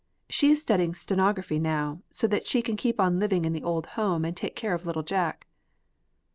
She is studying stenography now, so that she can keep on living in the old home and take care of little Jack."